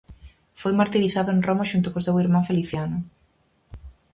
Foi martirizado en Roma xunto co seu irmán Feliciano.